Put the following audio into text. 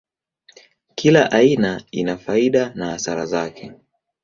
Kila aina ina faida na hasara yake.